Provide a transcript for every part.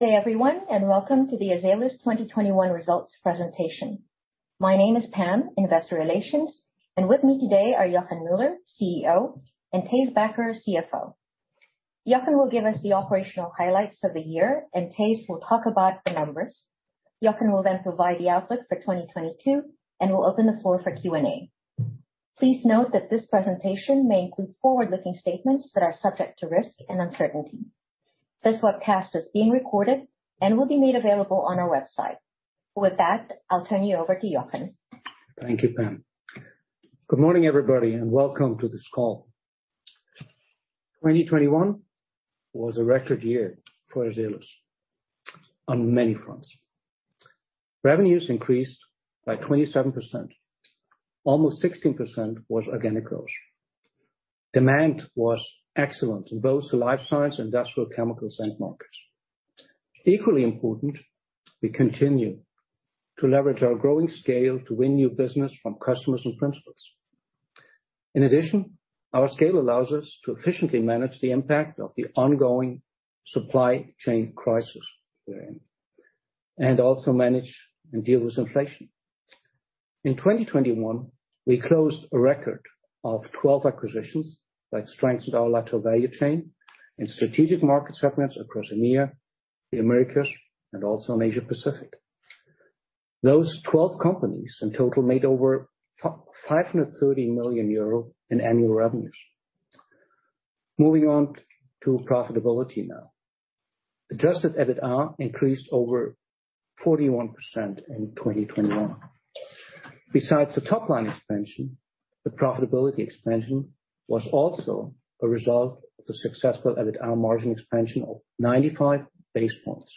Hey everyone, and welcome to the Azelis 2021 results presentation. My name is Pam, Investor Relations, and with me today are Hans-Joachim Müller, CEO, and Thijs Bakker, CFO. Hans-Joachim will give us the operational highlights of the year, and Thijs will talk about the numbers. Hans-Joachim will then provide the outlook for 2022, and we'll open the floor for Q&A. Please note that this presentation may include forward-looking statements that are subject to risk and uncertainty. This webcast is being recorded and will be made available on our website. With that, I'll turn you over to Hans-Joachim. Thank you, Pam. Good morning, everybody, and welcome to this call. 2021 was a record year for Azelis on many fronts. Revenue increased by 27%. Almost 16% was organic growth. Demand was excellent in both the Life Sciences, Industrial Chemicals end markets. Equally important, we continue to leverage our growing scale to win new business from customers and principals. In addition, our scale allows us to efficiently manage the impact of the ongoing supply chain crisis we're in, and also manage and deal with inflation. In 2021, we closed a record of 12 acquisitions that strengthened our lateral value chain in strategic market segments across EMEA, the Americas, and also in Asia Pacific. Those 12 companies in total made over 530 million euro in annual revenues. Moving on to profitability now. Adjusted EBITDA increased over 41% in 2021. Besides the top line expansion, the profitability expansion was also a result of the successful EBITDA margin expansion of 95 basis points,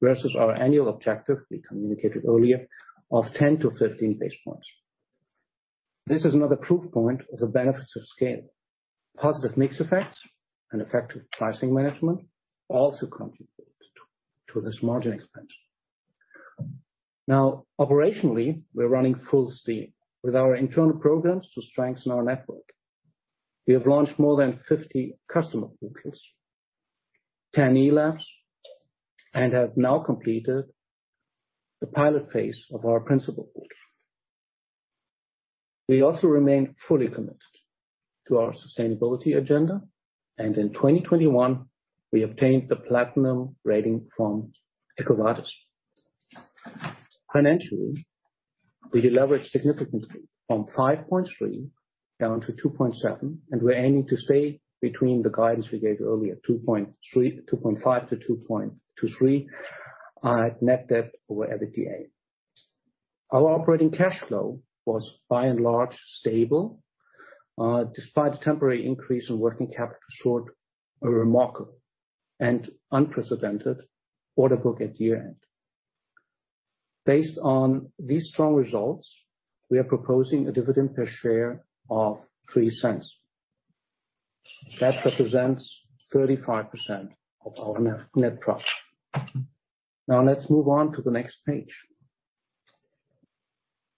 versus our annual objective we communicated earlier of 10 to 15 basis points. This is another proof point of the benefits of scale. Positive mix effects and effective pricing management also contributed to this margin expansion. Now, operationally, we're running full steam with our internal programs to strengthen our network. We have launched more than 50 customer focus, 10 e-Labs, and have now completed the pilot phase of our principal focus. We also remain fully committed to our sustainability agenda, and in 2021 we obtained the Platinum rating from EcoVadis. Financially, we deleveraged significantly from 5.3 down to 2.7, and we're aiming to stay between the guidance we gave earlier, 2.3-2.5 to 2.2-3 net debt over EBITDA. Our operating cash flow was by and large stable, despite the temporary increase in working capital shortage, a remarkable and unprecedented order book at year-end. Based on these strong results, we are proposing a dividend per share of 0.03. That represents 35% of our net profit. Now let's move on to the next page.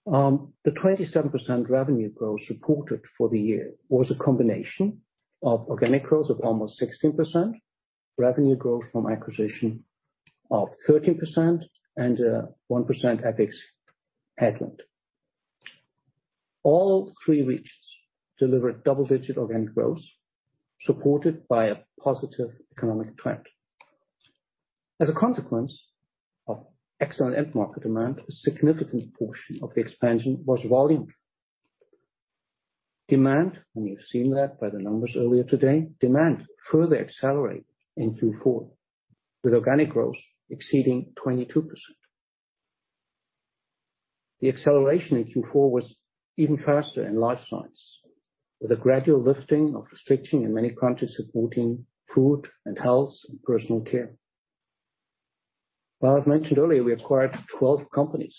The 27% revenue growth reported for the year was a combination of organic growth of almost 16%, revenue growth from acquisition of 13%, and 1% FX headwind. All three regions delivered double-digit organic growth, supported by a positive economic trend. As a consequence of excellent end market demand, a significant portion of the expansion was volume. Demand, and you've seen that by the numbers earlier today, demand further accelerated in Q4, with organic growth exceeding 22%. The acceleration in Q4 was even faster in Life Sciences, with a gradual lifting of restriction in many countries supporting Food & Health and Personal Care. While I've mentioned earlier, we acquired 12 companies.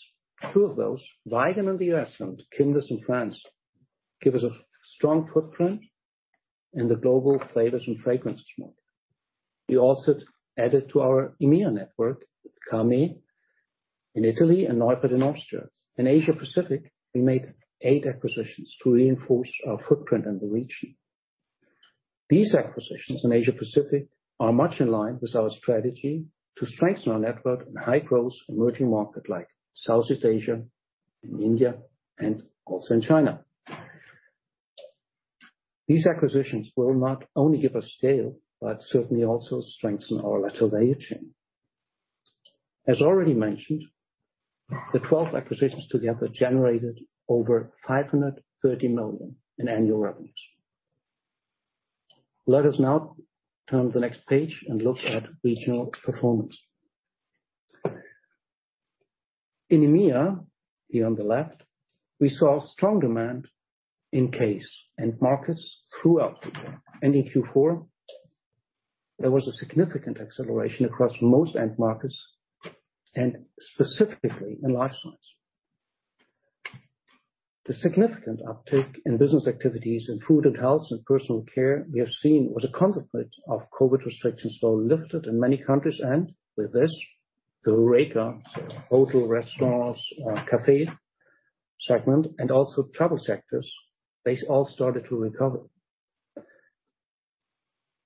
Two of those, Vigon in the US and Quimdis in France, give us a strong footprint in the global flavors and fragrances market. We also added to our EMEA network with Came in Italy and Neupert in Austria. In Asia Pacific, we made eight acquisitions to reinforce our footprint in the region. These acquisitions in Asia Pacific are much in line with our strategy to strengthen our network in high-growth emerging market like Southeast Asia and India and also in China. These acquisitions will not only give us scale, but certainly also strengthen our lateral value chain. As already mentioned, the 12 acquisitions together generated over 530 million in annual revenues. Let us now turn to the next page and look at regional performance. In EMEA, here on the left, we saw strong demand in CASE end markets throughout the year. In Q4, there was a significant acceleration across most end markets and specifically in Life Sciences. The significant uptick in business activities in Food & Health and Personal Care we have seen was a consequence of COVID restrictions that were lifted in many countries, and with this, the HORECA, so hotel, restaurants, cafe segment and also travel sectors, they all started to recover.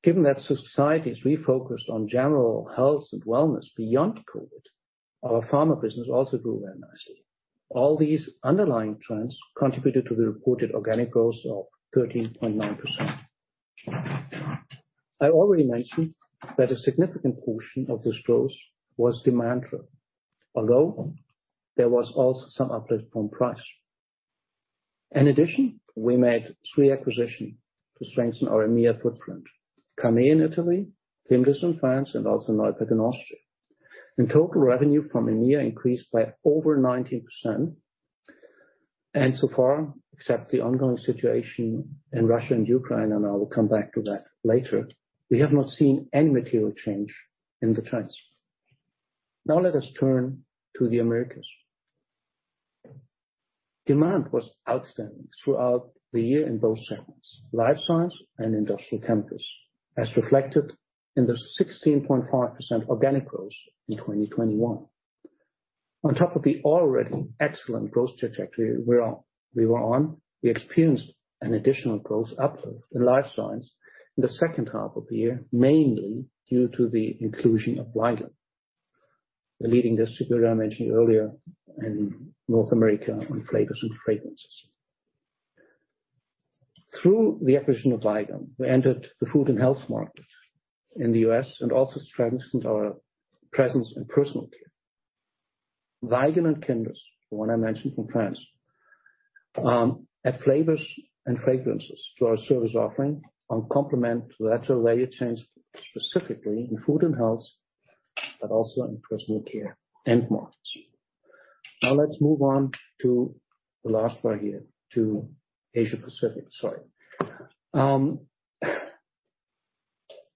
Given that society is refocused on general health and wellness beyond COVID, our Pharma business also grew very nicely. All these underlying trends contributed to the reported organic growth of 13.9%. I already mentioned that a significant portion of this growth was demand, although there was also some uplift from price. In addition, we made three acquisitions to strengthen our EMEA footprint. Came in Italy, Quimdis in France, and also Neupert Specialities in Austria. In total, revenue from EMEA increased by over 19%. So far, except the ongoing situation in Russia and Ukraine, and I will come back to that later, we have not seen any material change in the trends. Now let us turn to the Americas. Demand was outstanding throughout the year in both segments, Life Sciences and Industrial Chemicals, as reflected in the 16.5% organic growth in 2021. On top of the already excellent growth trajectory we were on, we experienced an additional growth uplift in Life Sciences in the H2 of the year, mainly due to the inclusion of Vigon, the leading distributor I mentioned earlier in North America on flavors and fragrances. Through the acquisition of Vigon, we entered the food and health markets in the US and also strengthened our presence in personal care. Vigon and Quimdis, the one I mentioned from France, add flavors and fragrances to our service offering and complement lateral value chains, specifically in food and health, but also in personal care end markets. Now let's move on to the last part here, to Asia Pacific.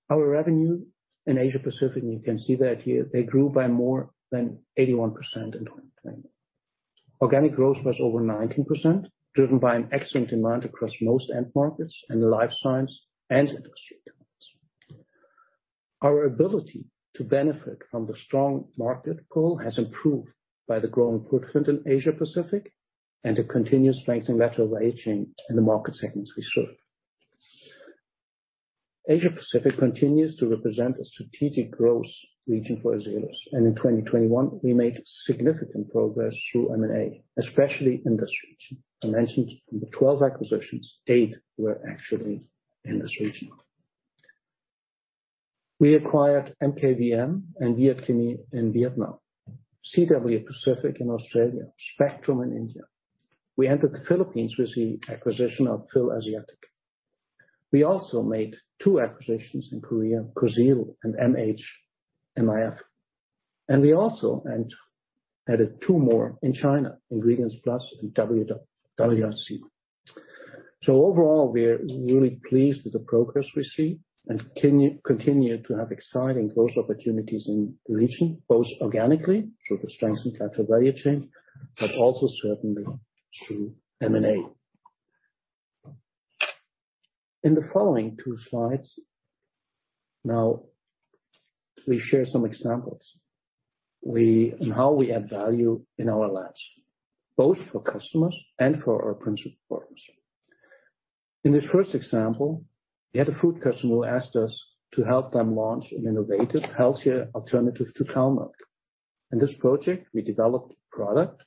Our revenue in Asia Pacific, and you can see that here, grew by more than 81% in 2021. Organic growth was over 19%, driven by excellent demand across most end markets in the Life Sciences and Industrial divisions. Our ability to benefit from the strong market pull has improved by the growing footprint in Asia Pacific and a continuous strengthening lateral value chain in the market segments we serve. Asia Pacific continues to represent a strategic growth region for Azelis, and in 2021 we made significant progress through M&A, especially in this region. I mentioned from the 12 acquisitions, eight were actually in this region. We acquired MKVN and Viet Chemi in Vietnam, CW Pacific in Australia, Spectrum Chemicals in India. We entered the Philippines with the acquisition of Phil-Asiatic. We also made two acquisitions in Korea, Coseal and MH. We also added two more in China, Ingredients Plus and WWRC. Overall, we're really pleased with the progress we see and continue to have exciting growth opportunities in the region, both organically through the strengthened lateral value chain, but also certainly through M&A. In the following two slides, we share some examples on how we add value in our labs, both for customers and for our principal partners. In this first example, we had a food customer who asked us to help them launch an innovative, healthier alternative to cow milk. In this project, we developed a product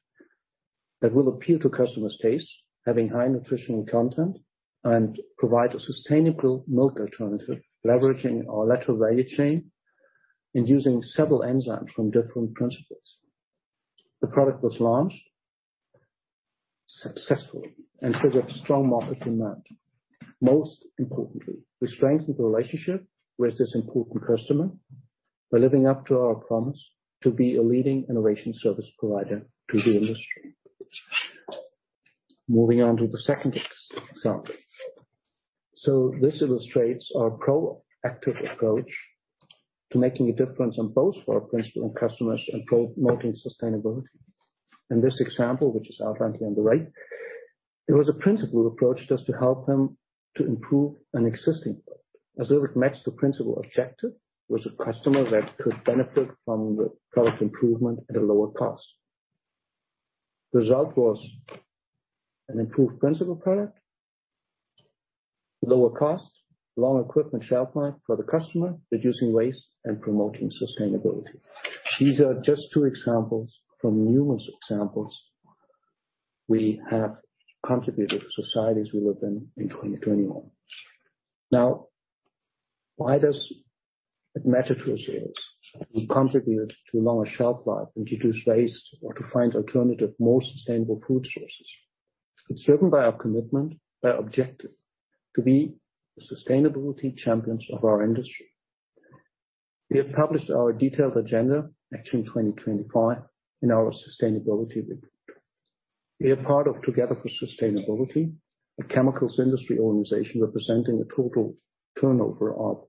that will appeal to customers' taste, having high nutritional content and provide a sustainable milk alternative, leveraging our lateral value chain and using several enzymes from different principals. The product was launched successfully and triggered strong market demand. Most importantly, we strengthened the relationship with this important customer by living up to our promise to be a leading innovation service provider to the industry. Moving on to the second example. This illustrates our proactive approach to making a difference on behalf of our principals and customers and promoting sustainability. In this example, which is outlined on the right, it was a principal approach just to help them to improve an existing product as it would match the principal objective with a customer that could benefit from the product improvement at a lower cost. The result was an improved principal product, lower cost, long equipment shelf life for the customer, reducing waste and promoting sustainability. These are just two examples from numerous examples we have contributed to societies we live in in 2021. Now why does it matter to Azelis? We contribute to a longer shelf life and reduce waste or to find alternative, more sustainable food sources. It's driven by our commitment, by our objective to be the sustainability champions of our industry. We have published our detailed agenda, Action 2025, in our sustainability report. We are part of Together for Sustainability, a chemicals industry organization representing a total turnover of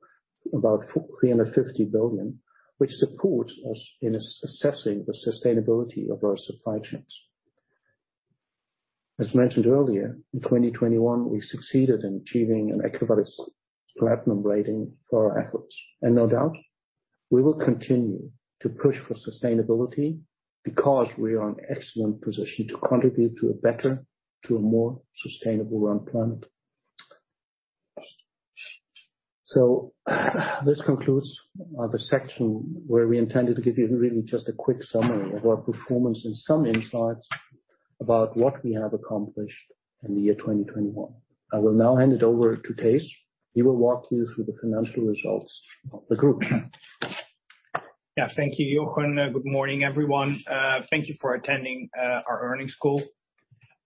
about 350 billion, which supports us in assessing the sustainability of our supply chains. As mentioned earlier, in 2021 we succeeded in achieving an EcoVadis platinum rating for our efforts. No doubt we will continue to push for sustainability because we are in excellent position to contribute to a better, to a more sustainable world. This concludes the section where we intended to give you really just a quick summary of our performance and some insights about what we have accomplished in the year 2021. I will now hand it over to Thijs. He will walk you through the financial results of the group. Yeah, thank you, Jochen. Good morning, everyone. Thank you for attending our earnings call.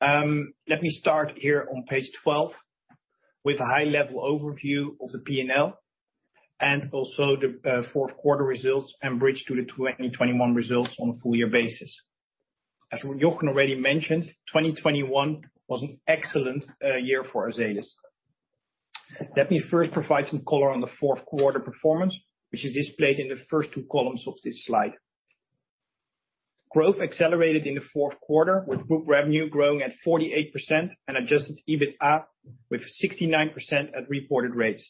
Let me start here on page 12 with a high level overview of the P&L and also the fourth quarter results and bridge to the 2021 results on a full year basis. As Jochen already mentioned, 2021 was an excellent year for Azelis. Let me first provide some color on the fourth quarter performance, which is displayed in the first two columns of this slide. Growth accelerated in the fourth quarter, with group revenue growing at 48% and Adjusted EBITDA with 69% at reported rates.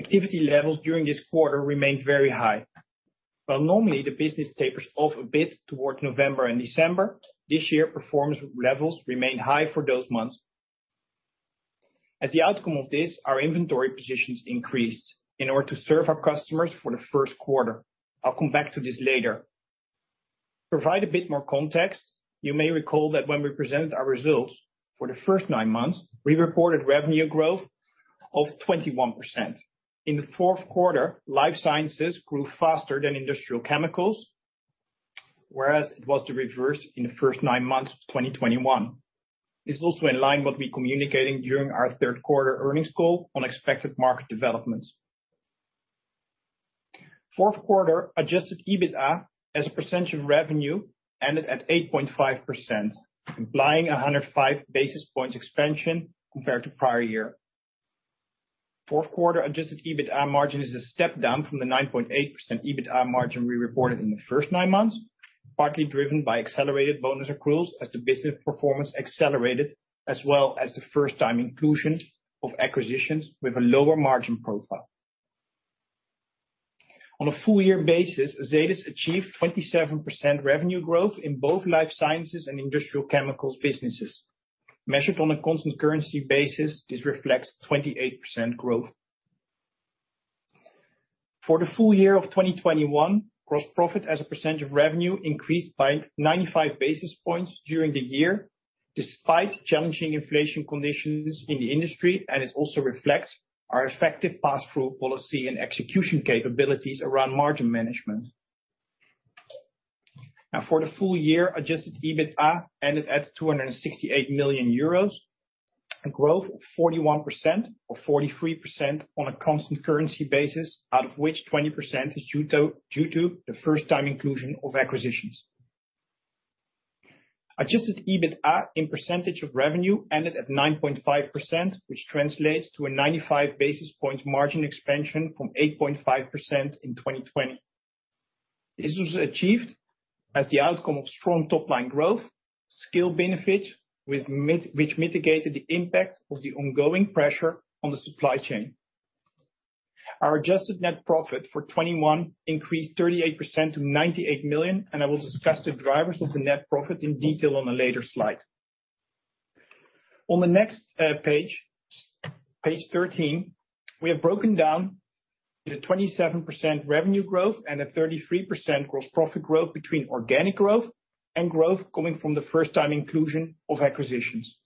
Activity levels during this quarter remained very high. While normally the business tapers off a bit towards November and December, this year, performance levels remained high for those months. As the outcome of this, our inventory positions increased in order to serve our customers for the first quarter. I'll come back to this later. To provide a bit more context, you may recall that when we presented our results for the first nine months, we reported revenue growth of 21%. In the fourth quarter, Life Sciences grew faster than Industrial Chemicals, whereas it was the reverse in the first nine months of 2021. This is also in line with what we were communicating during our third quarter earnings call on expected market developments. Fourth quarter Adjusted EBITDA as a percentage of revenue ended at 8.5%, implying 105 basis points expansion compared to prior year. Fourth quarter Adjusted EBITDA margin is a step down from the 9.8% EBITDA margin we reported in the first nine months, partly driven by accelerated bonus accruals as the business performance accelerated, as well as the first time inclusions of acquisitions with a lower margin profile. On a full year basis, Azelis achieved 27% revenue growth in both Life Sciences and Industrial Chemicals businesses. Measured on a constant currency basis, this reflects 28% growth. For the full year of 2021, gross profit as a percent of revenue increased by 95 basis points during the year, despite challenging inflation conditions in the industry, and it also reflects our effective pass-through policy and execution capabilities around margin management. Now for the full year, Adjusted EBITDA ended at 268 million euros, a growth of 41% or 43% on a constant currency basis, out of which 20% is due to the first time inclusion of acquisitions. Adjusted EBITDA as a percentage of revenue ended at 9.5%, which translates to a 95 basis point margin expansion from 8.5% in 2020. This was achieved as the outcome of strong top line growth, scale benefits which mitigated the impact of the ongoing pressure on the supply chain. Our adjusted net profit for 2021 increased 38% to 98 million, and I will discuss the drivers of the net profit in detail on a later slide. On the next page 13, we have broken down the 27% revenue growth and the 33% gross profit growth between organic growth and growth coming from the first time inclusion of acquisitions.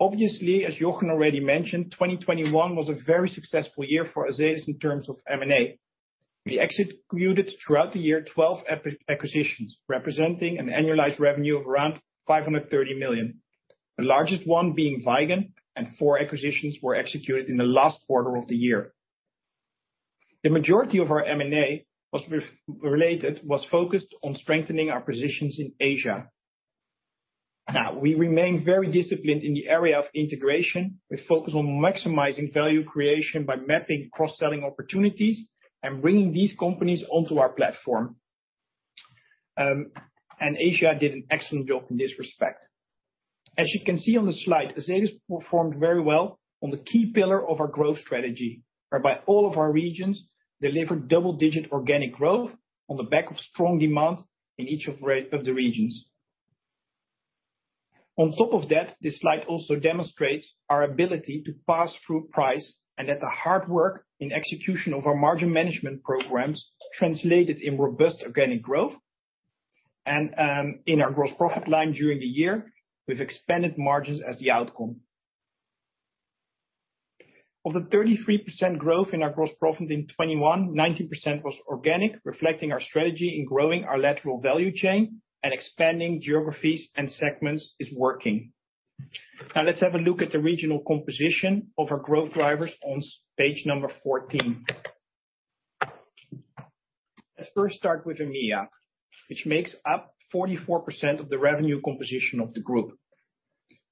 Obviously, as Jochen already mentioned, 2021 was a very successful year for Azelis in terms of M&A. We executed throughout the year 12 acquisitions, representing an annualized revenue of around 530 million, the largest one being Vigon, and four acquisitions were executed in the last quarter of the year. The majority of our M&A was related, focused on strengthening our positions in Asia. Now, we remain very disciplined in the area of integration. We focus on maximizing value creation by mapping cross-selling opportunities and bringing these companies onto our platform. Asia did an excellent job in this respect. As you can see on the slide, Azelis performed very well on the key pillar of our growth strategy, whereby all of our regions delivered double-digit organic growth on the back of strong demand in each of the regions. On top of that, this slide also demonstrates our ability to pass through price and that the hard work in execution of our margin management programs translated in robust organic growth and in our gross profit line during the year with expanded margins as the outcome. Of the 33% growth in our gross profit in 2021, 19% was organic, reflecting our strategy in growing our lateral value chain and expanding geographies and segments is working. Now let's have a look at the regional composition of our growth drivers on page number 14. Let's first start with EMEA, which makes up 44% of the revenue composition of the group.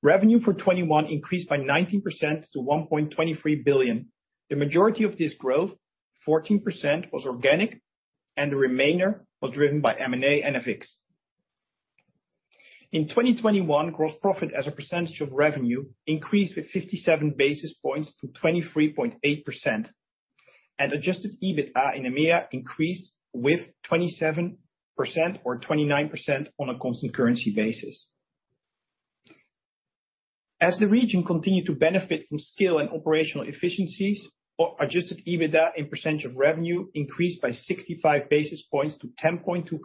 Revenue for 2021 increased by 19% to 1.23 billion. The majority of this growth, 14%, was organic, and the remainder was driven by M&A and FX. In 2021, gross profit as a percentage of revenue increased by 57 basis points to 23.8%. Adjusted EBITDA in EMEA increased by 27% or 29% on a constant currency basis. As the region continued to benefit from scale and operational efficiencies, our Adjusted EBITDA in percentage of revenue increased by 65 basis points to 10.2%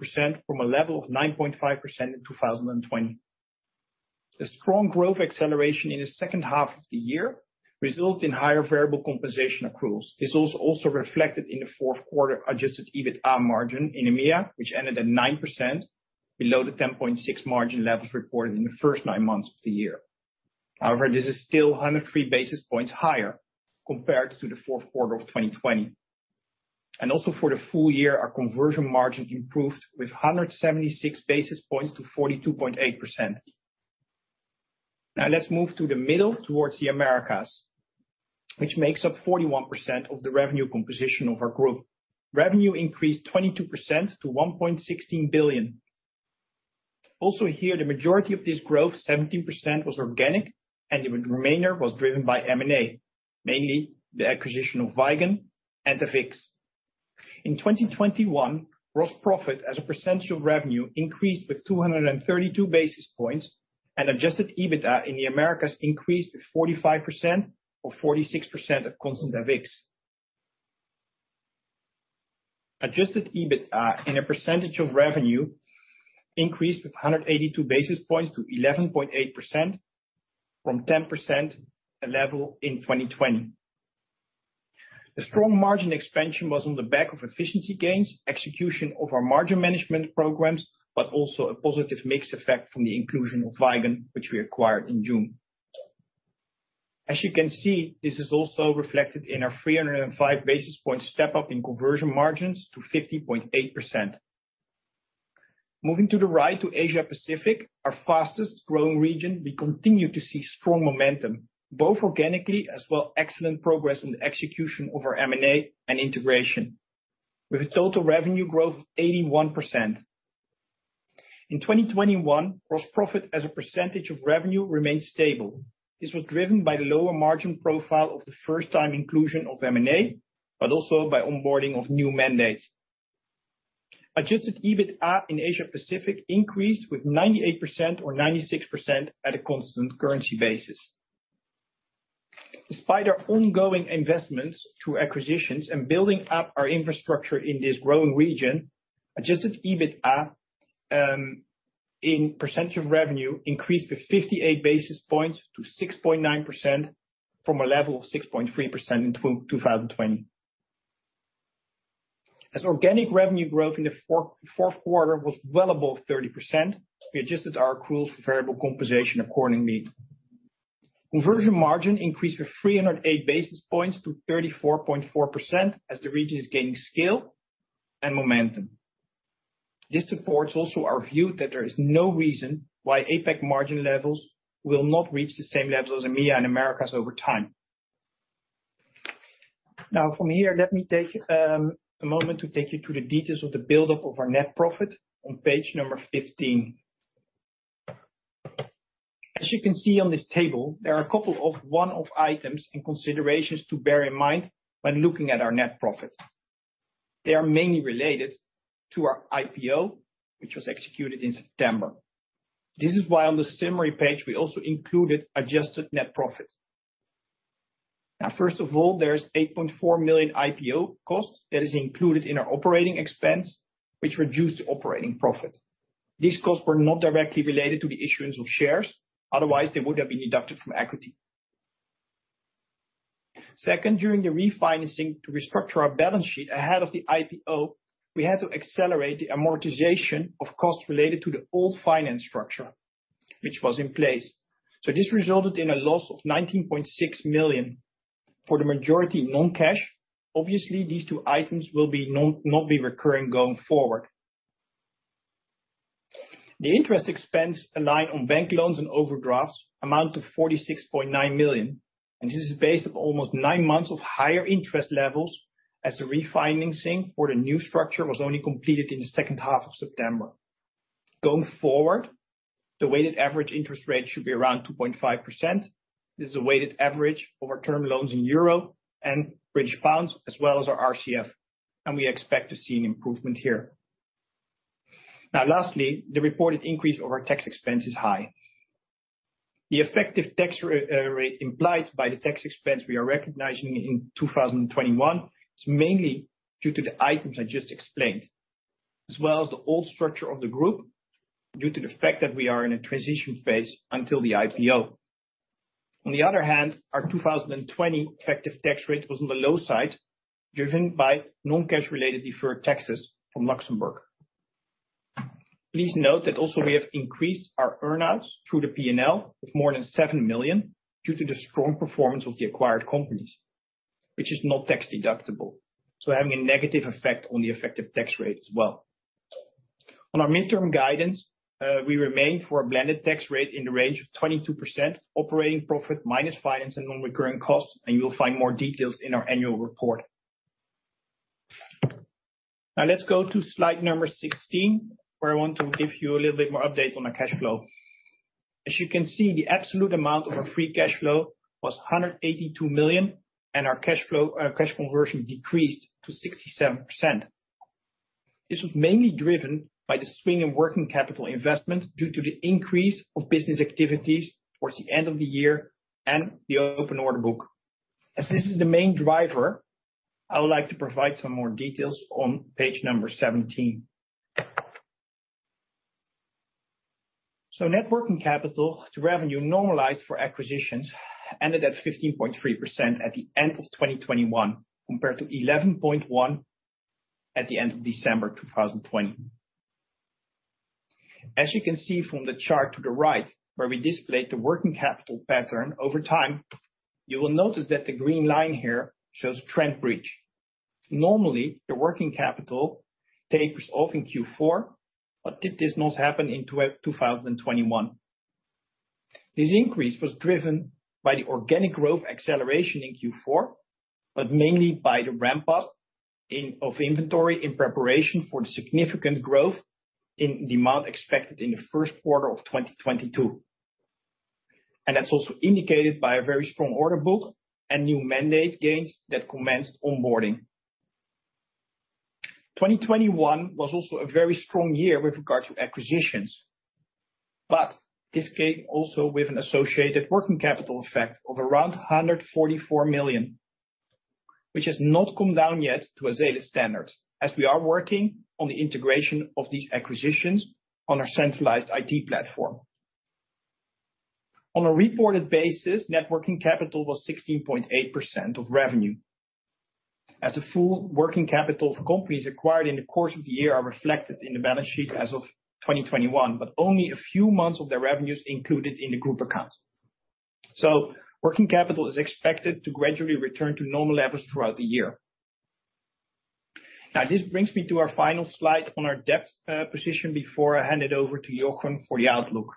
from a level of 9.5% in 2020. The strong growth acceleration in the H2 of the year resulted in higher variable compensation accruals. This was also reflected in the fourth quarter Adjusted EBITDA margin in EMEA, which ended at 9% below the 10.6% margin levels reported in the first nine months of the year. However, this is still 103 basis points higher compared to the fourth quarter of 2020. Also for the full year, our conversion margins improved with 176 basis points to 42.8%. Now let's move to the middle towards the Americas, which makes up 41% of the revenue composition of our group. Revenue increased 22% to 1.16 billion. Also here, the majority of this growth, 17%, was organic, and the remainder was driven by M&A, mainly the acquisition of Vigon and Avex. In 2021, gross profit as a percentage of revenue increased by 232 basis points and Adjusted EBITDA in the Americas increased by 45% or 46% at constant FX. Adjusted EBITDA as a percentage of revenue increased by 182 basis points to 11.8% from 10%, the level in 2020. The strong margin expansion was on the back of efficiency gains, execution of our margin management programs, but also a positive mix effect from the inclusion of Vigon, which we acquired in June. As you can see, this is also reflected in our 305 basis points step-up in conversion margins to 50.8%. Moving to the right to Asia-Pacific, our fastest growing region, we continue to see strong momentum, both organically as well excellent progress in the execution of our M&A and integration with a total revenue growth of 81%. In 2021, gross profit as a percentage of revenue remained stable. This was driven by the lower margin profile of the first time inclusion of M&A, but also by onboarding of new mandates. Adjusted EBITDA in Asia-Pacific increased with 98% or 96% at a constant currency basis. Despite our ongoing investments through acquisitions and building up our infrastructure in this growing region, Adjusted EBITDA as a percentage of revenue increased with 58 basis points to 6.9% from a level of 6.3% in 2020. As organic revenue growth in the fourth quarter was well above 30%, we adjusted our accrual for variable compensation accordingly. Conversion margin increased to 308 basis points to 34.4% as the region is gaining scale and momentum. This supports also our view that there is no reason why APAC margin levels will not reach the same levels as EMEA and Americas over time. Now from here, let me take a moment to take you through the details of the buildup of our net profit on page 15. As you can see on this table, there are a couple of one-off items and considerations to bear in mind when looking at our net profit. They are mainly related to our IPO, which was executed in September. This is why on the summary page, we also included adjusted net profit. Now, first of all, there's 8.4 million IPO costs that is included in our operating expense, which reduced operating profit. These costs were not directly related to the issuance of shares. Otherwise, they would have been deducted from equity. Second, during the refinancing to restructure our balance sheet ahead of the IPO, we had to accelerate the amortization of costs related to the old finance structure which was in place. This resulted in a loss of 19.6 million for the majority non-cash. Obviously, these two items will not be recurring going forward. The interest expense aligned on bank loans and overdrafts amounted to 46.9 million, and this is based on almost nine months of higher interest levels as the refinancing for the new structure was only completed in the H2 of September. Going forward, the weighted average interest rate should be around 2.5%. This is a weighted average over term loans in euro and British pounds, as well as our RCF, and we expect to see an improvement here. Now lastly, the reported increase of our tax expense is high. The effective tax rate implied by the tax expense we are recognizing in 2021 is mainly due to the items I just explained, as well as the old structure of the group due to the fact that we are in a transition phase until the IPO. On the other hand, our 2020 effective tax rate was on the low side, driven by non-cash related deferred taxes from Luxembourg. Please note that also we have increased our earn outs through the P&L of more than 7 million due to the strong performance of the acquired companies, which is not tax-deductible, so having a negative effect on the effective tax rate as well. On our midterm guidance, we remain for a blended tax rate in the range of 22% operating profit minus finance and non-recurring costs, and you'll find more details in our annual report. Now let's go to slide number 16, where I want to give you a little bit more update on our cash flow. As you can see, the absolute amount of our free cash flow was 182 million, and our cash conversion decreased to 67%. This was mainly driven by the swing in working capital investment due to the increase of business activities towards the end of the year and the open order book. As this is the main driver, I would like to provide some more details on page 17. Net working capital to revenue normalized for acquisitions ended at 15.3% at the end of 2021 compared to 11.1% at the end of December 2020. As you can see from the chart to the right, where we displayed the working capital pattern over time, you will notice that the green line here shows a trend breach. Normally, the working capital tapers off in Q4, but this did not happen in 2021. This increase was driven by the organic growth acceleration in Q4, but mainly by the ramp up of inventory in preparation for the significant growth in demand expected in the first quarter of 2022. That's also indicated by a very strong order book and new mandate gains that commenced onboarding. 2021 was also a very strong year with regard to acquisitions. This came also with an associated working capital effect of around 144 million, which has not come down yet to Azelis standards as we are working on the integration of these acquisitions on our centralized IT platform. On a reported basis, net working capital was 16.8% of revenue. As the full working capital of companies acquired in the course of the year are reflected in the balance sheet as of 2021, but only a few months of their revenues included in the group accounts. Working capital is expected to gradually return to normal levels throughout the year. Now, this brings me to our final slide on our debt position before I hand it over to Hans-Joachim Müller for the outlook.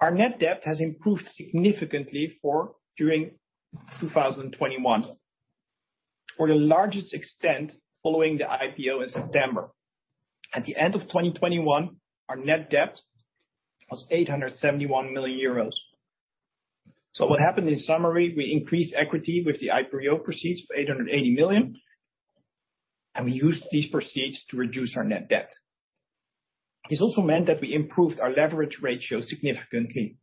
Our net debt has improved significantly throughout 2021. To the largest extent following the IPO in September. At the end of 2021, our net debt was 871 million euros. What happened in summary, we increased equity with the IPO proceeds of 880 million, and we used these proceeds to reduce our net debt. This also meant that we improved our leverage ratio significantly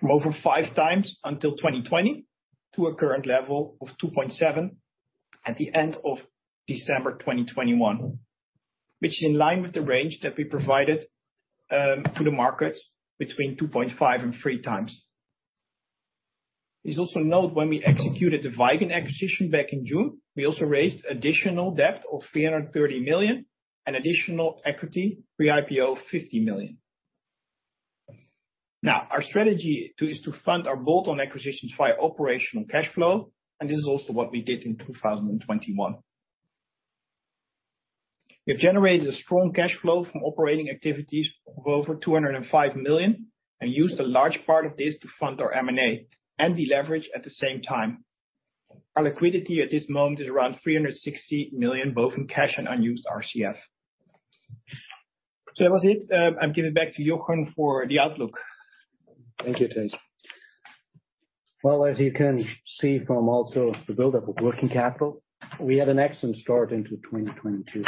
from over 5x in 2020 to a current level of 2.7 at the end of December 2021, which is in line with the range that we provided to the markets between 2.5x and 3x. Please also note when we executed the Vigon acquisition back in June, we also raised additional debt of 330 million and additional equity pre-IPO of 50 million. Now, our strategy is to fund our bolt-on acquisitions via operational cash flow, and this is also what we did in 2021. We have generated a strong cash flow from operating activities of over 205 million and used a large part of this to fund our M&A and deleverage at the same time. Our liquidity at this moment is around 360 million, both in cash and unused RCF. That was it. I'm giving back to Jochen for the outlook. Thank you, Thijs. Well, as you can see from also the buildup of working capital, we had an excellent start into 2022.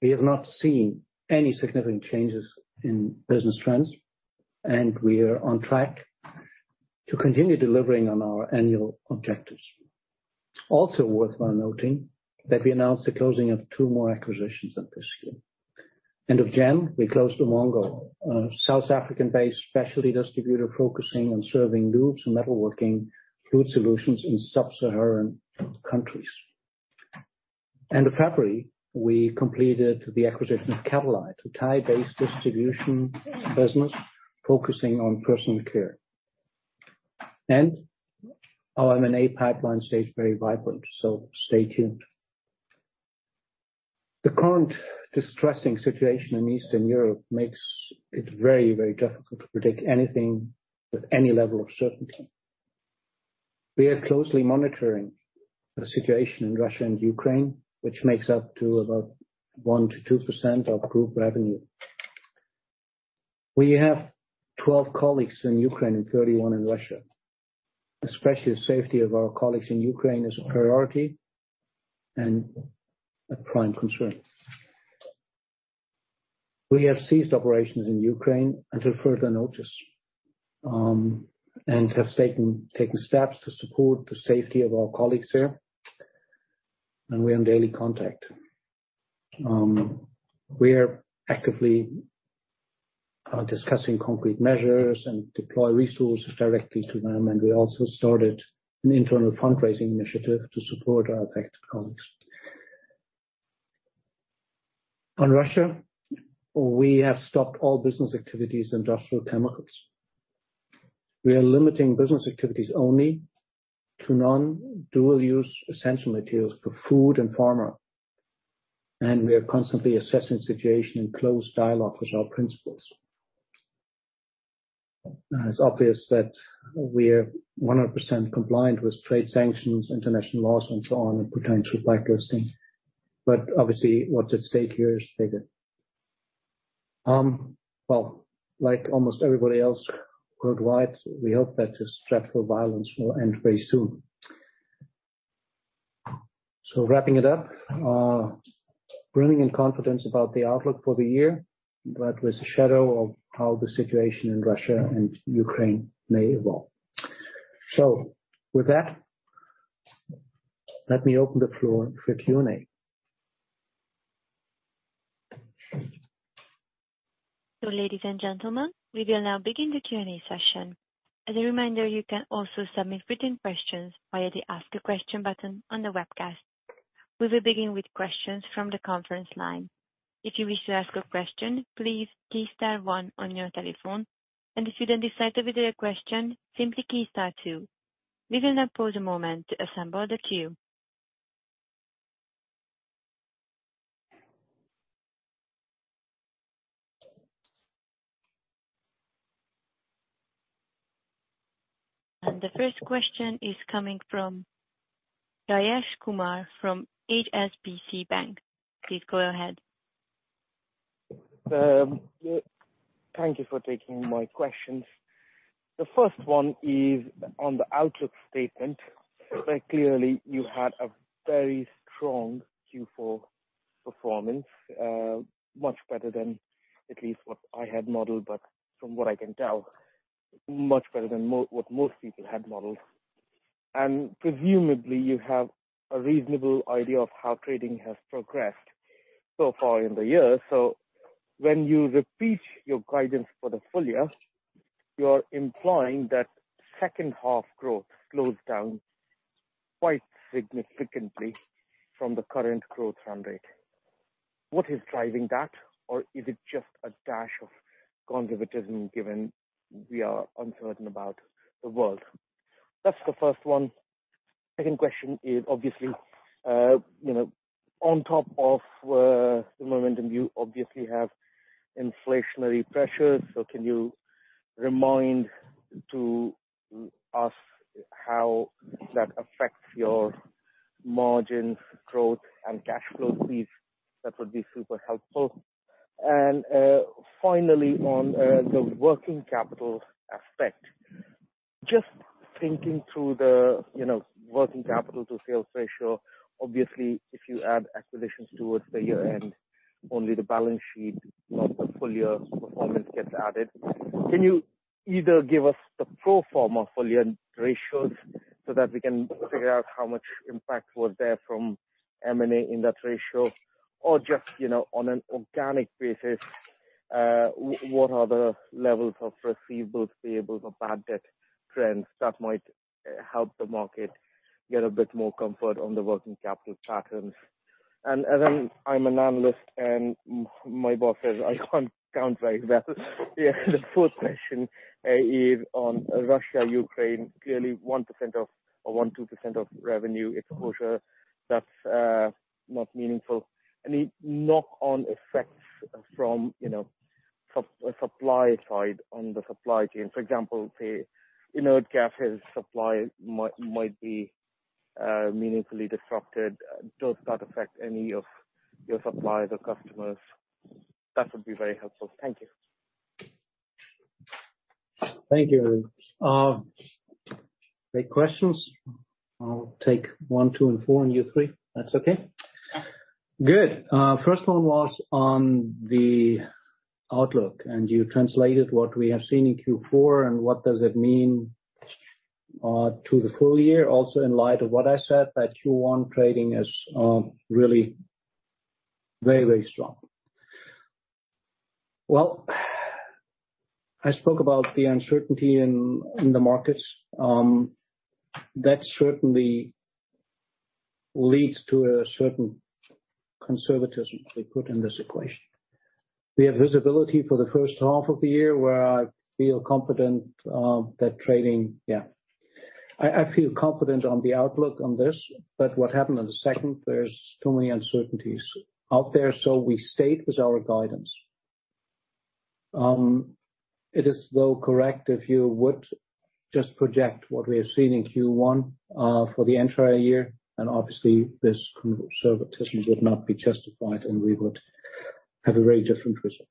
We have not seen any significant changes in business trends, and we are on track to continue delivering on our annual objectives. Also worth noting that we announced the closing of 2 more acquisitions on this year. End of January, we closed uMongo, a South African-based specialty distributor focusing on serving lubes and metalworking fluid solutions in sub-Saharan countries. End of February, we completed the acquisition of Catalite, a Thai-based distribution business focusing on Personal Care. Our M&A pipeline stays very vibrant, so stay tuned. The current distressing situation in Eastern Europe makes it very, very difficult to predict anything with any level of certainty. We are closely monitoring the situation in Russia and Ukraine, which makes up to about 1%-2% of group revenue. We have 12 colleagues in Ukraine and 31 in Russia. Especially the safety of our colleagues in Ukraine is a priority and a prime concern. We have ceased operations in Ukraine until further notice, and have taken steps to support the safety of our colleagues there, and we're in daily contact. We are actively discussing concrete measures and deploy resources directly to them, and we also started an internal fundraising initiative to support our affected colleagues. On Russia, we have stopped all business activities, Industrial Chemicals. We are limiting business activities only to non-dual-use essential materials for food and pharma, and we are constantly assessing situation in close dialogue with our principals. It's obvious that we're 100% compliant with trade sanctions, international laws and so on in potential blacklisting. Obviously what's at stake here is bigger. Well, like almost everybody else worldwide, we hope that this dreadful violence will end very soon. Wrapping it up, bringing in confidence about the outlook for the year, but with the shadow of how the situation in Russia and Ukraine may evolve. With that, let me open the floor for Q&A. Ladies and gentlemen, we will now begin the Q&A session. As a reminder, you can also submit written questions via the Ask a Question button on the webcast. We will begin with questions from the conference line. If you wish to ask a question, please key star one on your telephone, and if you then decide to withdraw your question, simply key star two. We will now pause a moment to assemble the queue. The first question is coming from Rajesh Kumar from HSBC Bank. Please go ahead. Thank you for taking my questions. The first one is on the outlook statement. Very clearly, you had a very strong Q4 performance, much better than at least what I had modeled, but from what I can tell, much better than what most people had modeled. Presumably you have a reasonable idea of how trading has progressed so far in the year. When you repeat your guidance for the full year, you're implying that H2 growth slows down quite significantly from the current growth run rate. What is driving that? Or is it just a dash of conservatism given we are uncertain about the world? That's the first one. Second question is obviously, you know, on top of the momentum, you obviously have inflationary pressures. Can you remind us how that affects your margins, growth and cash flow please? That would be super helpful. Finally, on the working capital aspect, just thinking through the, you know, working capital to sales ratio. Obviously if you add acquisitions towards the year-end, only the balance sheet of the full year performance gets added. Can you either give us the pro forma full year ratios so that we can figure out how much impact was there from M&A in that ratio? Just, you know, on an organic basis, what are the levels of receivables, payables or bad debt trends that might help the market get a bit more comfort on the working capital patterns? I'm an analyst and my bosses, I can't count very well. The fourth question is on Russia, Ukraine, clearly 1% or 1%-2% of revenue exposure that's not meaningful. Any knock on effects from, you know, supply side on the supply chain, for example, say, you know, gas oil supply might be meaningfully disrupted. Does that affect any of your suppliers or customers? That would be very helpful. Thank you. Thank you. Great questions. I'll take one, two, and four, and you three. That's okay? Good. First one was on the outlook, and it translates to what we have seen in Q4 and what it means to the full year. Also in light of what I said that Q1 trading is really very, very strong. Well, I spoke about the uncertainty in the markets. That certainly leads to a certain conservatism we put in this equation. We have visibility for the first half of the year where I feel confident that trading. I feel confident on the outlook on this, but what happened in the H2, there's too many uncertainties out there, so we stayed with our guidance. It is though correct if you would just project what we have seen in Q1 for the entire year, and obviously this conservatism would not be justified, and we would have a very different result.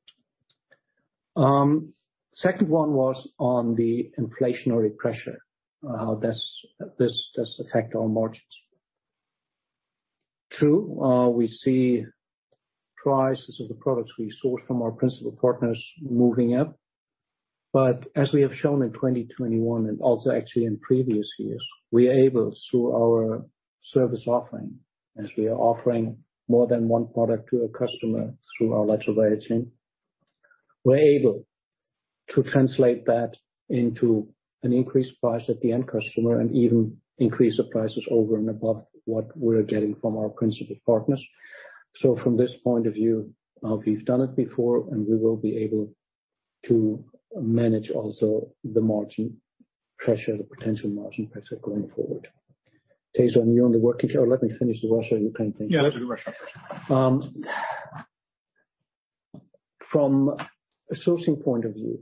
Second one was on the inflationary pressure, how that affects our margins. True, we see prices of the products we source from our principal partners moving up. But as we have shown in 2021 and also actually in previous years, we are able, through our service offering, as we are offering more than one product to a customer through our lateral value chain, we're able to translate that into an increased price at the end customer and even increase the prices over and above what we're getting from our principal partners. From this point of view, we've done it before and we will be able to manage also the margin pressure, the potential margin pressure going forward. Thijs Bakker, or let me finish the Russia, Ukraine thing. Yeah, let's do Russia. From a sourcing point of view,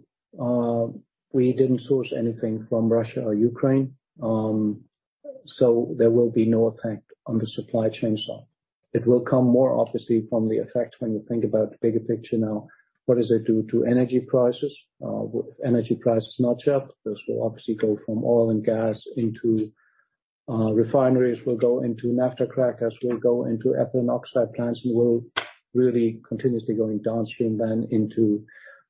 we didn't source anything from Russia or Ukraine, so there will be no effect on the supply chain side. It will come more obviously from the effect when you think about the bigger picture now, what does it do to energy prices? If energy prices nudge up, this will obviously go from oil and gas into refineries, will go into naphtha crackers, will go into ethylene oxide plants, and will really continuously going downstream then into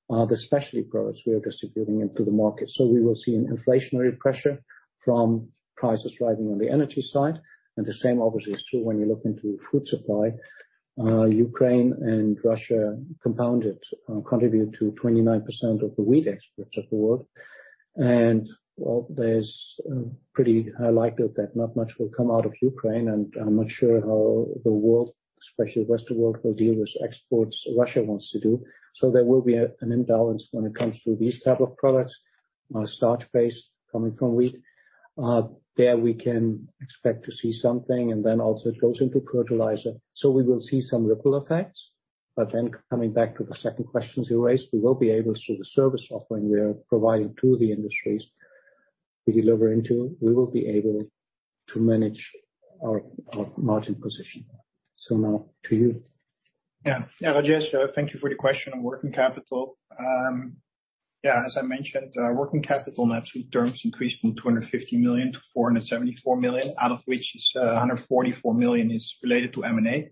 the specialty products we are distributing into the market. So we will see an inflationary pressure from prices rising on the energy side. The same obviously is true when you look into food supply. Ukraine and Russia compounded contribute to 29% of the wheat exports of the world. There's pretty high likelihood that not much will come out of Ukraine, and I'm not sure how the world, especially western world, will deal with exports Russia wants to do. There will be an imbalance when it comes to these type of products, starch-based coming from wheat. There we can expect to see something and then also it goes into fertilizer. We will see some ripple effects. Coming back to the second question you raised, we will be able through the service offering we are providing to the industries we deliver into, we will be able to manage our margin position. Now to you. Yeah, Rajesh Kumar, thank you for the question on working capital. As I mentioned, net working capital increased from 250 million to 474 million, out of which 144 million is related to M&A.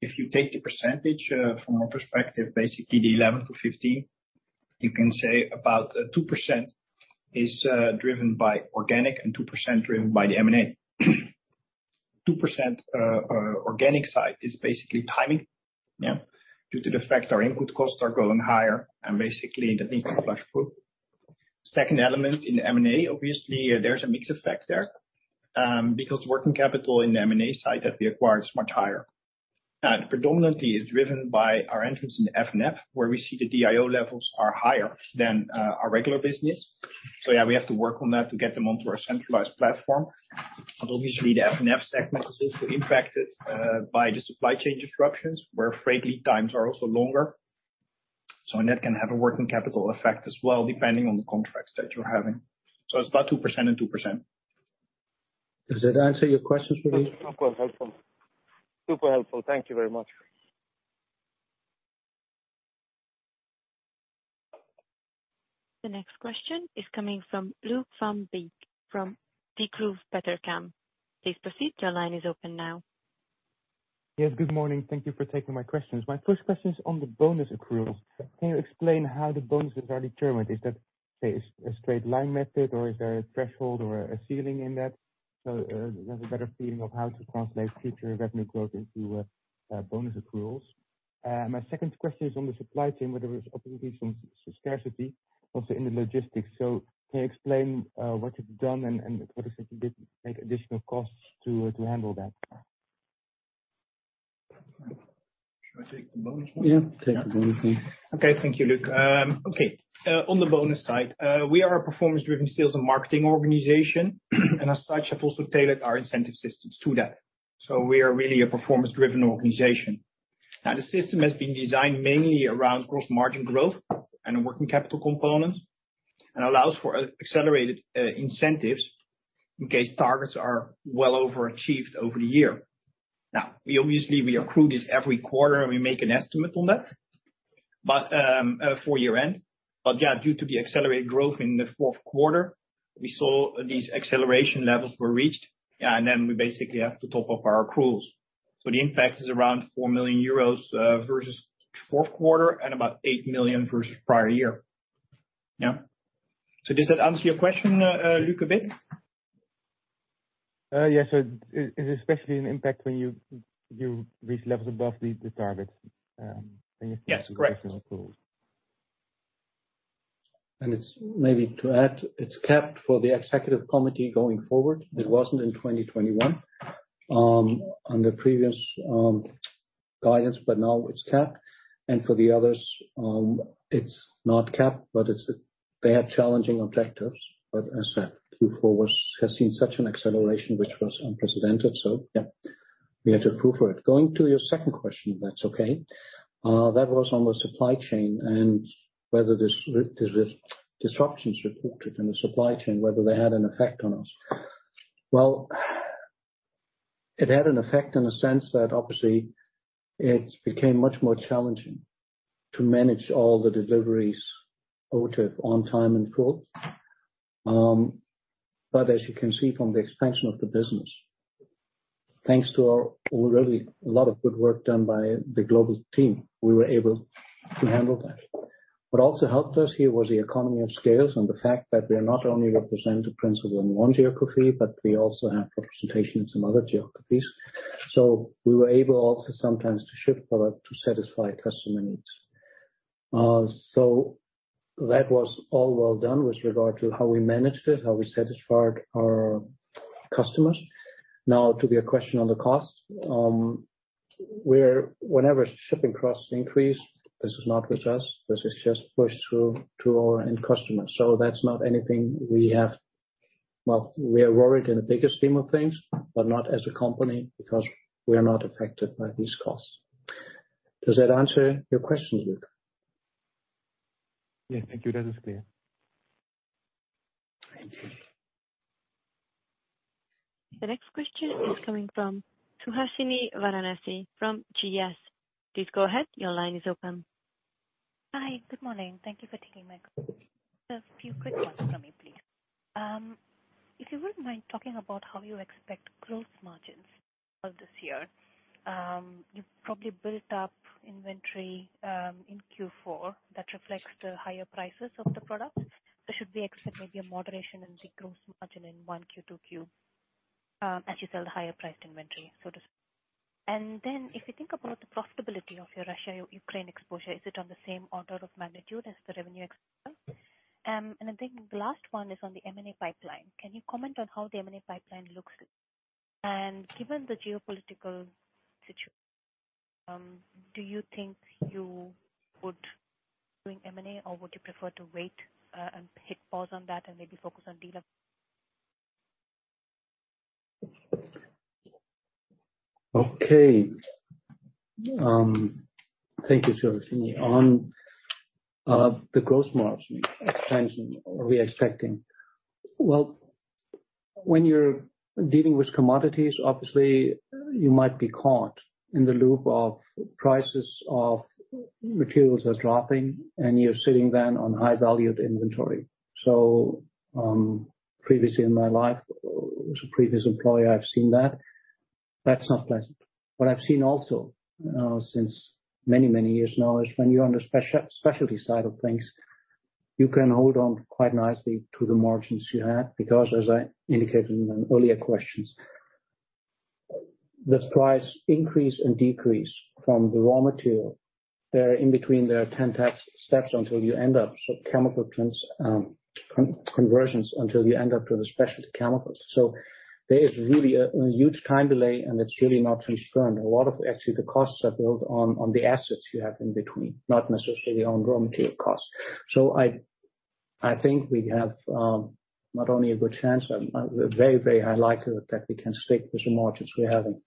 If you take the percentage, from our perspective, basically the 11-15, you can say about, 2% is driven by organic and 2% driven by the M&A. 2% organic side is basically timing. Due to the fact our input costs are going higher and basically that needs to flush through. Second element in the M&A, obviously, there's a mix effect there, because net working capital in the M&A side that we acquired is much higher. Predominantly it's driven by our entrance in the F&F, where we see the DIO levels are higher than our regular business. We have to work on that to get them onto our centralized platform. The F&F segment is also impacted by the supply chain disruptions, where freight lead times are also longer. Net can have a working capital effect as well, depending on the contracts that you're having. It's about 2% and 2%. Does that answer your question, Rajesh? Super helpful. Thank you very much. The next question is coming from Luuk van Beek from Degroof Petercam. Please proceed. Your line is open now. Yes. Good morning. Thank you for taking my questions. My first question is on the bonus accruals. Can you explain how the bonuses are determined? Is that, say, a straight line method, or is there a threshold or a ceiling in that? To have a better feeling of how to translate future revenue growth into bonus accruals. My second question is on the supply chain, where there was obviously some scarcity also in the logistics. Can you explain what you've done and what are some of the additional costs to handle that? Should I take the bonus one? Yeah. Take the bonus one. Okay. Thank you, Luuk. On the bonus side, we are a performance-driven sales and marketing organization, and as such have also tailored our incentive systems to that. We are really a performance-driven organization. Now, the system has been designed mainly around gross margin growth and working capital components and allows for accelerated incentives in case targets are well overachieved over the year. Now, we obviously accrue this every quarter and we make an estimate on that for year-end. Yeah, due to the accelerated growth in the fourth quarter, we saw these acceleration levels were reached, and then we basically have to top up our accruals. The impact is around 4 million euros versus fourth quarter and about 8 million versus prior year. Yeah. Does that answer your question, Luuk, a bit? Yes. It's especially an impact when you reach levels above the targets. Yes. Correct. It's maybe to add, it's capped for the Executive Committee going forward. It wasn't in 2021, under previous guidance, but now it's capped. For the others, it's not capped, but they have challenging objectives. As said, Q4 has seen such an acceleration which was unprecedented, so yeah, we had to approve for it. Going to your second question, if that's okay. That was on the supply chain and whether the disruptions reported in the supply chain had an effect on us. Well, it had an effect in the sense that obviously it became much more challenging to manage all the deliveries on time and in full. As you can see from the expansion of the business, thanks to our already a lot of good work done by the global team, we were able to handle that. What also helped us here was the economy of scales and the fact that we are not only represented principally in one geography, but we also have representation in some other geographies. We were able also sometimes to ship product to satisfy customer needs. That was all well done with regard to how we managed it, how we satisfied our customers. Now to your question on the costs, whenever shipping costs increase, this is not with us, this is just pushed through to our end customer. That's not anything we have. Well, we are worried in the bigger scheme of things, but not as a company, because we are not affected by these costs. Does that answer your question, Luuk? Yes. Thank you. That is clear. Thank you. The next question is coming from Suhasini Varanasi from GS. Please go ahead. Your line is open. Hi. Good morning. Thank you for taking my call. Just a few quick ones from me, please. If you wouldn't mind talking about how you expect gross margins for this year. You've probably built up inventory in Q4 that reflects the higher prices of the products. There should be, actually, maybe a moderation in the gross margin in Q1, Q2, as you sell the higher-priced inventory. Then if you think about the profitability of your Russia-Ukraine exposure, is it on the same order of magnitude as the revenue exposure? I think the last one is on the M&A pipeline. Can you comment on how the M&A pipeline looks? Given the geopolitical situ... Do you think you would doing M&A or would you prefer to wait, and hit pause on that and maybe focus on de- Okay. Thank you, Suhasini. On the gross margin expansion we are expecting. Well, when you're dealing with commodities, obviously you might be caught in the loop of prices of materials are dropping and you're sitting then on high valued inventory. Previously in my life with a previous employer, I've seen that. That's not pleasant. What I've seen also since many, many years now is when you're on the specialty side of things, you can hold on quite nicely to the margins you have because as I indicated in an earlier questions, this price increase and decrease from the raw material, there are in between ten acts steps until you end up. Chemical conversions until you end up to the specialty chemicals. There is really a huge time delay and it's really not transparent. A lot of actually the costs are built on the assets you have in between, not necessarily on raw material costs. I think we have not only a good chance, we're very, very high likely that we can stick with the margins we're having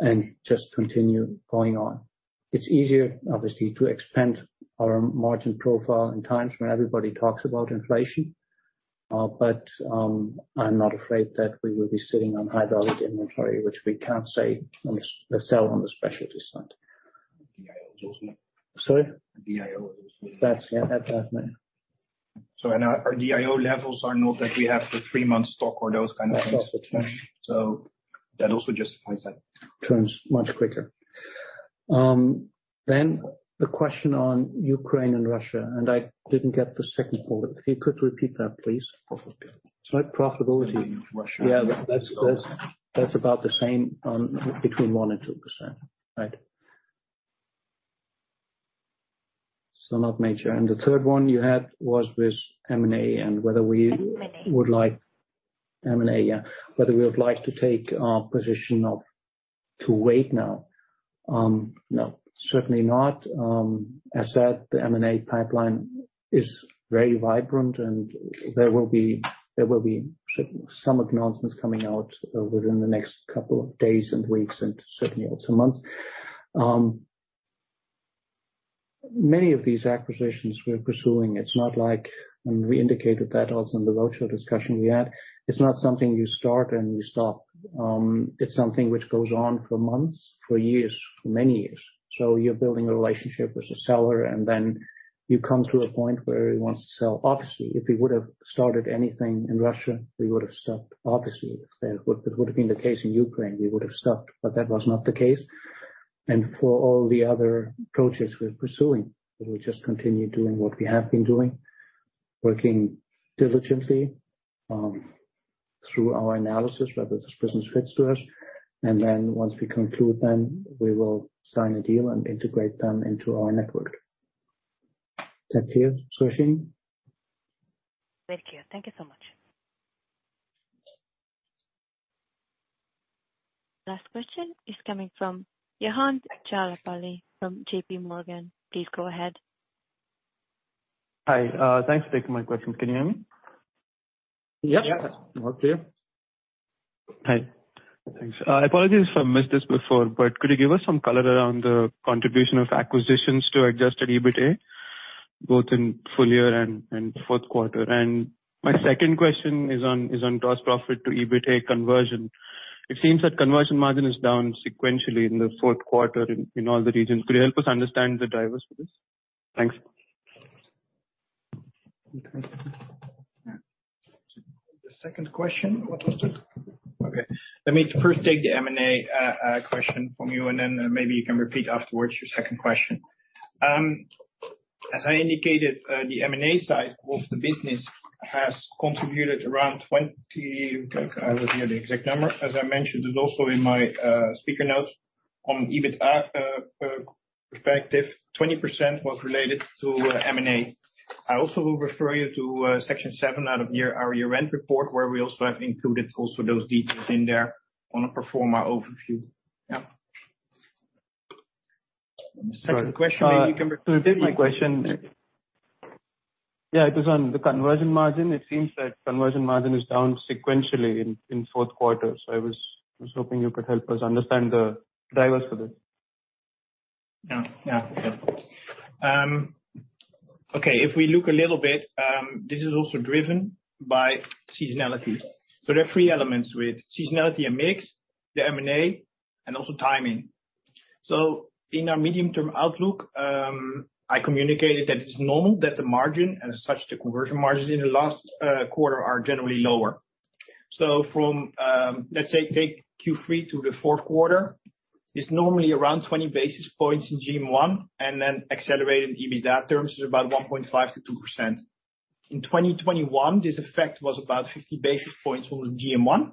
and just continue going on. It's easier obviously to expand our margin profile in times when everybody talks about inflation, but I'm not afraid that we will be sitting on high-value inventory, which we can't say when we sell on the specialty side. DIO tells me. Sorry? DIO tells me. That's yeah. That. Our DIO levels are not that we have the three-month stock or those kind of things. That's the term. That also justifies that. Turns much quicker. The question on Ukraine and Russia, and I didn't get the second part. If you could repeat that, please. Profitability. Sorry, profitability. Russia. Yeah. That's about the same or between 1% and 2%. Right. Not major. The third one you had was with M&A and whether we- M&A. We would like M&A, yeah. Whether we would like to take our position or to wait now. No, certainly not. As said, the M&A pipeline is very vibrant and there will be some announcements coming out within the next couple of days and weeks and certainly also months. Many of these acquisitions we're pursuing, it's not like, and we indicated that also in the roadshow discussion we had, it's not something you start and you stop. It's something which goes on for months, for years, for many years. You're building a relationship with the seller and then you come to a point where he wants to sell. Obviously, if we would have started anything in Russia, we would have stopped. Obviously, if there would have been the case in Ukraine, we would have stopped, but that was not the case. For all the other projects we're pursuing, we just continue doing what we have been doing, working diligently through our analysis whether this business fits to us. Once we conclude, we will sign a deal and integrate them into our network. Is that clear, Suhasini? Very clear. Thank you so much. Last question is coming from Chetan Sherlapalli from JPMorgan. Please go ahead. Hi, thanks for taking my questions. Can you hear me? Yes. Yes. Loud and clear. Hi. Thanks. Apologies if I missed this before, but could you give us some color around the contribution of acquisitions to Adjusted EBITDA, both in full year and fourth quarter? My second question is on gross profit to EBITDA conversion. It seems that conversion margin is down sequentially in the fourth quarter in all the regions. Could you help us understand the drivers for this? Thanks. Okay. Yeah. The second question, what was it? Okay. Let me first take the M&A question from you, and then maybe you can repeat afterwards your second question. As I indicated, the M&A side of the business has contributed around twenty... I don't have the exact number. As I mentioned, it's also in my speaker notes on EBITDA perspective, 20% was related to M&A. I also will refer you to section seven out of our year-end report, where we also have included also those details in there on a pro forma overview. Yeah. Sorry. To repeat my question. Yeah, it was on the conversion margin. It seems that conversion margin is down sequentially in fourth quarter. I was hoping you could help us understand the drivers for this. Yeah. Sure. Okay, if we look a little bit, this is also driven by seasonality. There are three elements with seasonality and mix, the M&A, and also timing. In our medium-term outlook, I communicated that it's normal that the margin, and as such, the conversion margins in the last quarter are generally lower. From, let's say take Q3 to the fourth quarter, it's normally around 20 basis points in GM1, and then accelerated in EBITDA terms is about 1.5%-2%. In 2021, this effect was about 50 basis points on the GM1,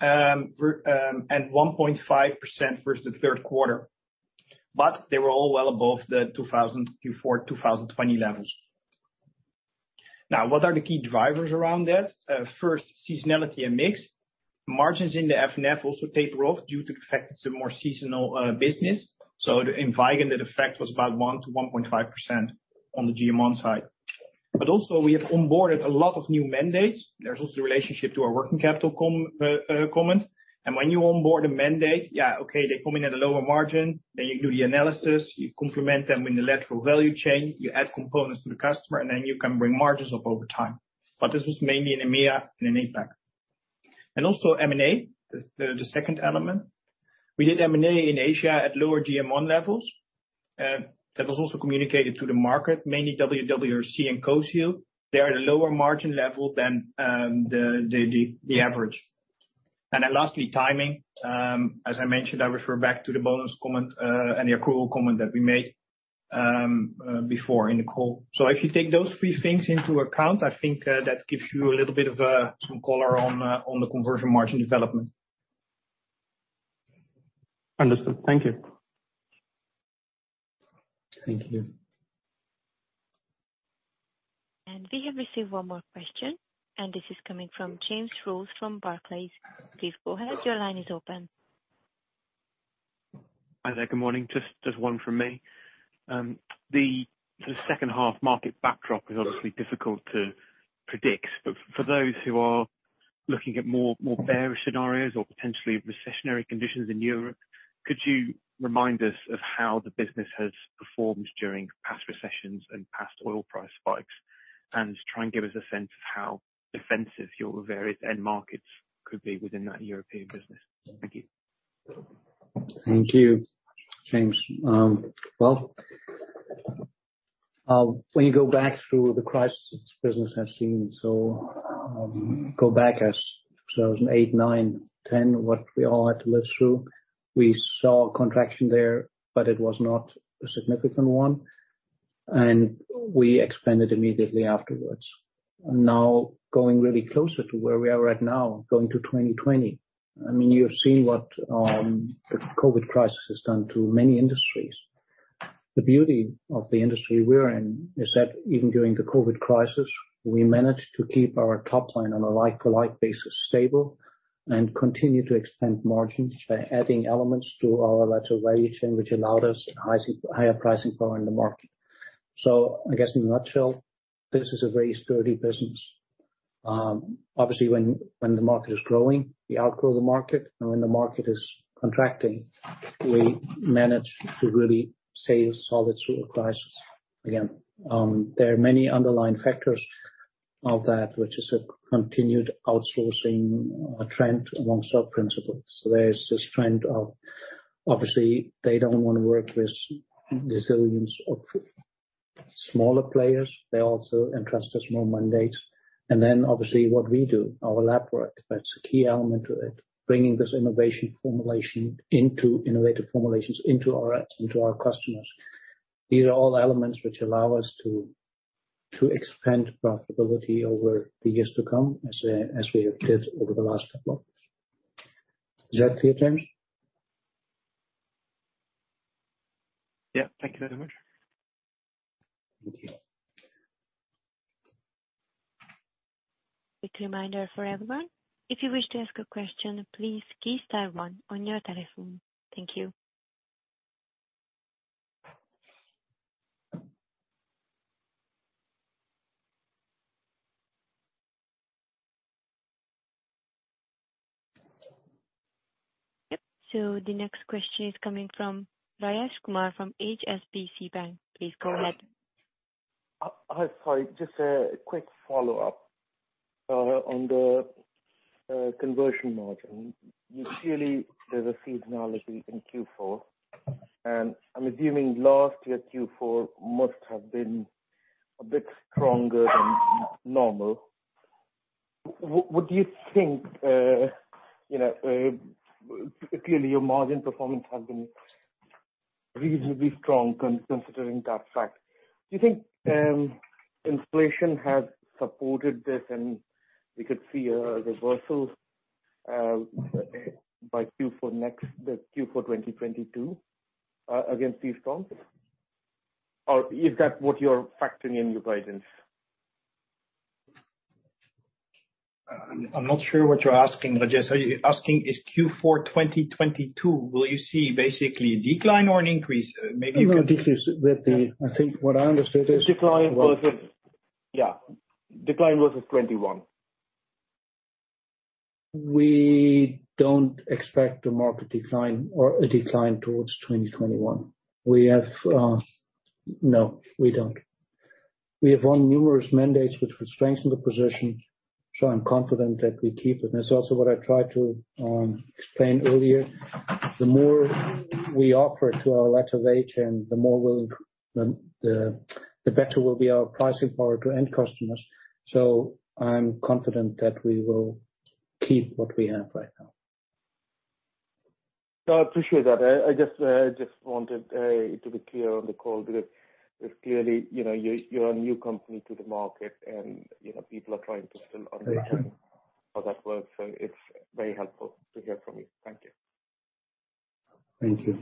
and 1.5% versus the third quarter. They were all well above the 2024, 2020 levels. Now, what are the key drivers around that? First, seasonality and mix. Margins in the F&F also taper off due to the fact it's a more seasonal business. In Vigon, that effect was about 1%-1.5% on the GM1 side. We have onboarded a lot of new mandates. There's also the relationship to our working capital comment. When you onboard a mandate, yeah, okay, they come in at a lower margin, then you do the analysis, you complement them in the lateral value chain, you add components to the customer, and then you can bring margins up over time. This was mainly in EMEA and in APAC. Also M&A, the second element. We did M&A in Asia at lower GM1 levels. That was also communicated to the market, mainly WWRC and Coseal. They are at a lower margin level than the average. Lastly, timing. As I mentioned, I refer back to the bonus comment and the accrual comment that we made before in the call. If you take those three things into account, I think that gives you a little bit of some color on the conversion margin development. Understood. Thank you. Thank you. We have received one more question, and this is coming from James Rollo from Barclays. Please go ahead. Your line is open. Hi there. Good morning. Just one from me. The H2 market backdrop is obviously difficult to predict. For those who are looking at more bearish scenarios or potentially recessionary conditions in Europe, could you remind us of how the business has performed during past recessions and past oil price spikes? Try and give us a sense of how defensive your various end markets could be within that European business. Thank you. Thank you, James. When you go back through the crises business has seen, go back to 2008, 2009, 2010, what we all had to live through, we saw contraction there, but it was not a significant one, and we expanded immediately afterwards. Now, going really closer to where we are right now, going to 2020, I mean, you have seen what the COVID crisis has done to many industries. The beauty of the industry we're in is that even during the COVID crisis, we managed to keep our top line on a like-to-like basis stable and continue to expand margins by adding elements to our lateral value chain, which allowed us higher pricing power in the market. I guess in a nutshell, this is a very sturdy business. Obviously, when the market is growing, we outgrow the market. When the market is contracting, we manage to really stay solid through a crisis. Again, there are many underlying factors of that, which is a continued outsourcing trend amongst our principals. There's this trend of obviously they don't wanna work with zillions of smaller players. They also entrust us more mandates. Then obviously what we do, our lab work, that's a key element to it, bringing this innovation formulation into innovative formulations into our customers. These are all elements which allow us to expand profitability over the years to come as we have did over the last couple of years. Is that clear, James? Yeah. Thank you very much. Thank you. Quick reminder for everyone, if you wish to ask a question, please key star one on your telephone. Thank you. Yep. The next question is coming from Rajesh Kumar from HSBC Bank. Please go ahead. Hi. Sorry. Just a quick follow-up on the conversion margin. Clearly, there's a seasonality in Q4, and I'm assuming last year Q4 must have been a bit stronger than normal. What do you think, clearly your margin performance has been reasonably strong considering that fact. Do you think inflation has supported this and we could see a reversal by Q4 next, the Q4 2022, again, see strong? Or is that what you're factoring in your guidance? I'm not sure what you're asking, Rajesh. Are you asking is Q4 2022, will you see basically a decline or an increase? Maybe you can- No decline. I think what I understood is Decline versus 21. We don't expect the market decline or a decline towards 2021. No, we don't. We have won numerous mandates which will strengthen the position, so I'm confident that we keep it. It's also what I tried to explain earlier. The more we offer to our lateral value chain, the better will be our pricing power to end customers. I'm confident that we will keep what we have right now. No, I appreciate that. I just wanted to be clear on the call because it's clearly, you know, you're a new company to the market and, you know, people are trying to still understand how that works. So it's very helpful to hear from you. Thank you. Thank you.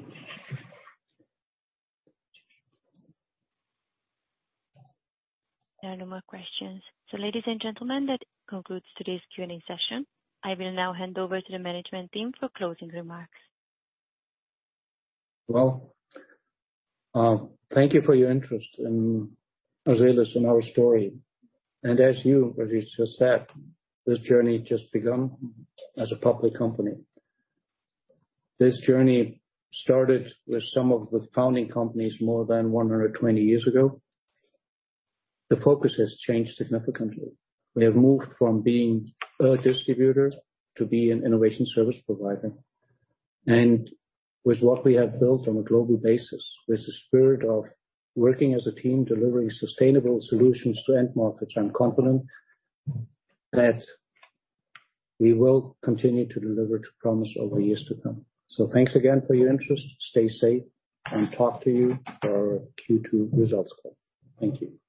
There are no more questions. Ladies and gentlemen, that concludes today's Q&A session. I will now hand over to the management team for closing remarks. Well, thank you for your interest in Azelis and our story. As you, Rajesh, just said, this journey just begun as a public company. This journey started with some of the founding companies more than 120 years ago. The focus has changed significantly. We have moved from being a distributor to being an innovation service provider. With what we have built on a global basis, with the spirit of working as a team, delivering sustainable solutions to end markets, I'm confident that we will continue to deliver to promise over years to come. Thanks again for your interest. Stay safe, and talk to you for our Q2 results call. Thank you.